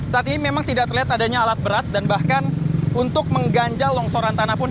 saat ini memang tidak terlihat adanya alat berat dan bahkan untuk mengganjal longsoran tanah pun